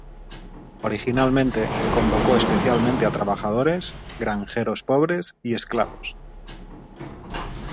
Originalmente convocó especialmente a trabajadores, granjeros pobres y esclavos.